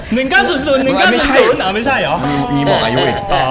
หนึ่งเก้าศูนย์ศูนย์หนึ่งเก้าศูนย์ศูนย์อ๋อไม่ใช่เหรอมีบอกอายุอีก